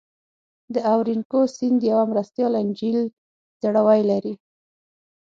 د اورینوکو سیند یوه مرستیال انجیل ځړوی لري.